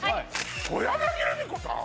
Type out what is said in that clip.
小柳ルミ子さん？